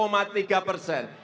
jadi lima tiga persen